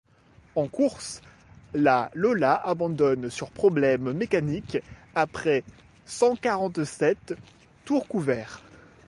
En course, la Lola abandonne sur problèmes mécaniques, après cent-quarante-sept tours couverts.